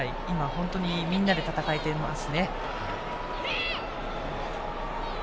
本当にみんなで戦えていますね。